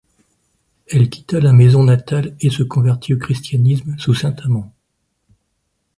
Elle quitta la maison natale et se convertit au christianisme sous Saint Amand.